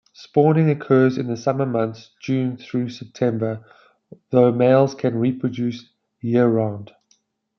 Spawning occurs in the summer months, June through September, though males can reproduce year-round.